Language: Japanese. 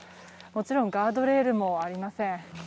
もちろんガードレールもありません。